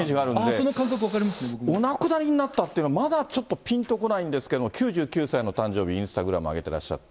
その感覚、分かります、お亡くなりになったっていうのは、まだちょっとぴんとこないんですけど、９９歳の誕生日にインスタグラムに上げてらっしゃって。